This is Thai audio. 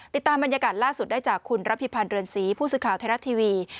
ติดตามบรรยากาศล่าสุดได้จากคุณระพิพันธ์เรือนศรีผู้สื่อข่าวไทยรัฐทีวี